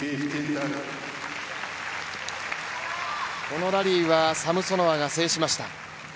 このラリーはサムソノワが制しました。